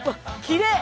きれい。